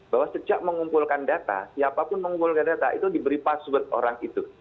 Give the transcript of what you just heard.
bahwa sejak mengumpulkan data siapapun mengumpulkan data itu diberi password orang itu